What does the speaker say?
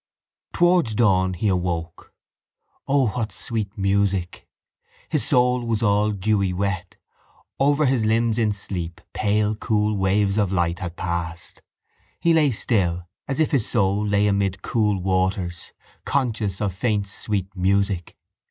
Towards dawn he awoke. O what sweet music! His soul was all dewy wet. Over his limbs in sleep pale cool waves of light had passed. He lay still, as if his soul lay amid cool waters, conscious of faint sweet music.